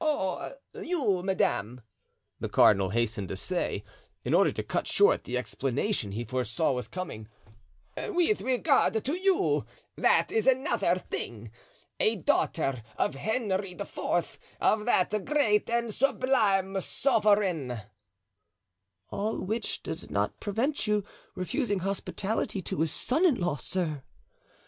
"Oh, you, madame," the cardinal hastened to say, in order to cut short the explanation he foresaw was coming, "with regard to you, that is another thing. A daughter of Henry IV., of that great, that sublime sovereign——" "All which does not prevent you refusing hospitality to his son in law, sir!